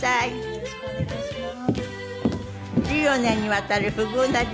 よろしくお願いします。